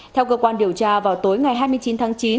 theo cơ quan điều tra vào tối ngày hai mươi chín tháng chín